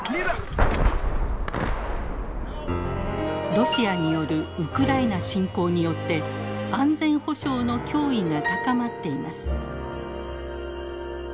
ロシアによるウクライナ侵攻によって安全保障の脅威が高まっています。